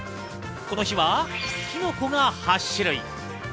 この日はキノコが８種類。